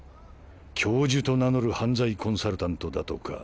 教授と名乗る犯罪コンサルタントだとか。